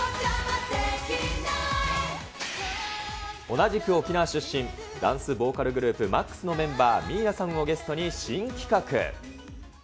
同じく沖縄出身、ダンスボーカルグループ、ＭＡＸのメンバー、ミーナさんをゲストに新企画。